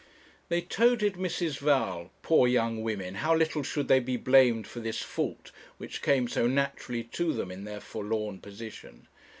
They toadied Mrs. Val poor young women, how little should they be blamed for this fault, which came so naturally to them in their forlorn position!